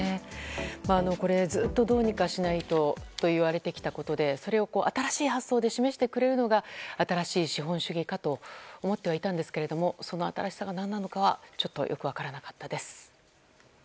ずっと、どうにかしないとといわれてきたことでそれを新しい発想で示してくれるのが新しい資本主義かと思ってはいたんですけどもその新しさが何なのかはちょっとよく分からなかったです。